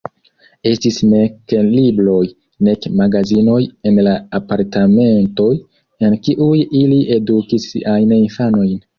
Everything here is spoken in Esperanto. Estis nek libroj, nek magazinoj en la apartamentoj, en kiuj ili edukis siajn infanojn.